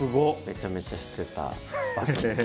めちゃめちゃしてた場所です。